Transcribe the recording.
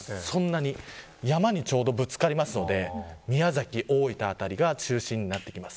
山にちょうどぶつかりますので宮崎、大分辺りが中心になってきます。